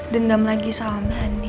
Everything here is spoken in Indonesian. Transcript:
dendam lagi sama nen